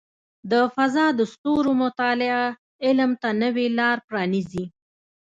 د فضاء د ستورو مطالعه علم ته نوې لارې پرانیزي.